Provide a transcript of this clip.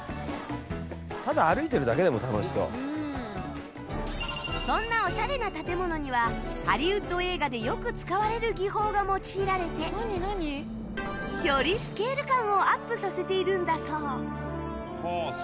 ただそんなオシャレな建物にはハリウッド映画でよく使われる技法が用いられてよりスケール感をアップさせているんだそう